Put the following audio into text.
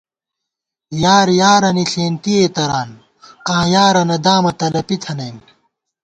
یار یارَنی ݪېنتِئیےتران آں یارَنہ دامہ تلَپی تھنَئیم